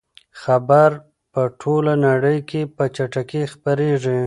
خبر په ټوله نړۍ کې په چټکۍ خپریږي.